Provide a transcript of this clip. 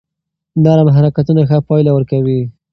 نرم حرکتونه ښه پایله ورکوي.